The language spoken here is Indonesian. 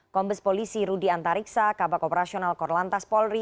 kombes polisi rudy antariksa kabak operasional korlantas polri